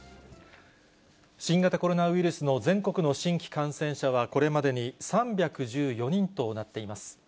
新型コロナウイルスの全国の新規感染者は、これまでに３１４人となっています。